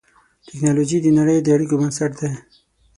ټکنالوجي د نړۍ د اړیکو بنسټ دی.